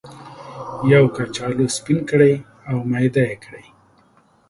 یو کچالو سپین کړئ او میده یې کړئ.